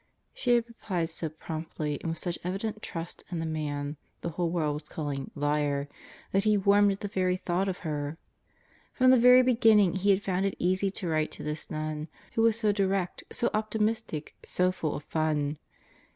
She had replied so promptly and with such evident trust in the man the whole world was calling "liar" that he warmed at the very thought of her. From the very beginning he had found it easy to write to this nun, who was so direct, so optimistic, so full of fun.